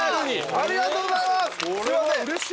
ありがとうございます。